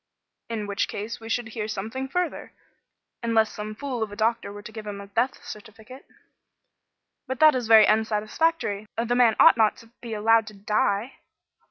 "In which case we should hear something further, unless some fool of a doctor were to give a death certificate." "But that is very unsatisfactory. The man ought not to be allowed to die."